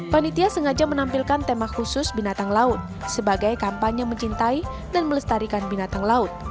panitia sengaja menampilkan tema khusus binatang laut sebagai kampanye mencintai dan melestarikan binatang laut